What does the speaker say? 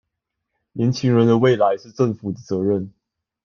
年輕人的未來是政府的責任